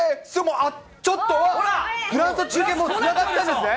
ちょっと、もうフランスと中継もつながってるんですね。